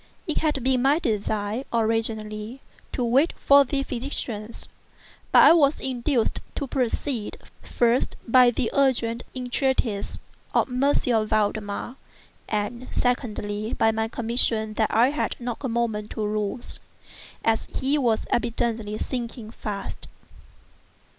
It had been my design, originally, to wait for the physicians; but I was induced to proceed, first, by the urgent entreaties of M. Valdemar, and secondly, by my conviction that I had not a moment to lose, as he was evidently sinking fast.